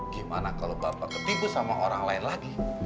gimana kalau bapak ketipu sama orang lain lagi